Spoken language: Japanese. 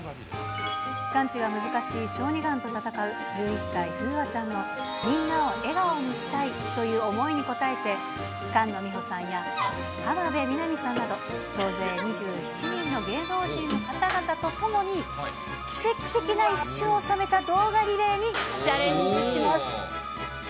完治が難しい小児がんと闘う１１歳、楓空ちゃんのみんなを笑顔にしたいという想いに応えて、菅野美穂さんや浜辺美波さんなど、総勢２７人の芸能人の方々とともに奇跡的な一瞬を収めた動画リレーにチャレンジします。